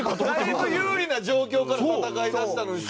だいぶ有利な状況から戦いだしたのに最後。